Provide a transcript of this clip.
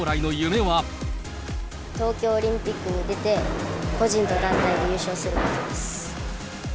東京オリンピックに出て、個人と団体で優勝することです。